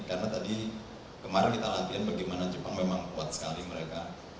karena tadi kemarin kita latihan bagaimana jepang memang kuat sekali mereka